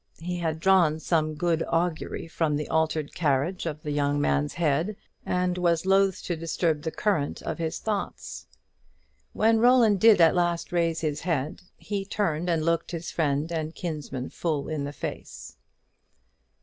He had drawn some good augury from the altered carriage of the young man's head, and was loth to disturb the current of his thoughts. When Roland did at last raise his head, he turned and looked his friend and kinsman full in the face.